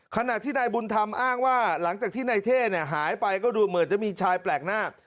ขณะที่นายบุญธรรมอ้างว่าหลังจากที่นายเท่หายไปก็ดูเหมือนจะมีชายแปลกหน้า